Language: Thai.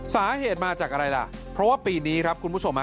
สาเหตุมาจากอะไรล่ะเพราะว่าปีนี้ครับคุณผู้ชม